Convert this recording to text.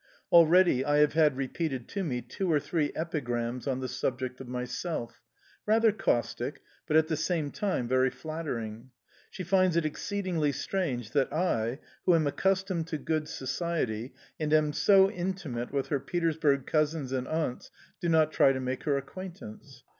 Already I have had repeated to me two or three epigrams on the subject of myself rather caustic, but at the same time very flattering. She finds it exceedingly strange that I, who am accustomed to good society, and am so intimate with her Petersburg cousins and aunts, do not try to make her acquaintance.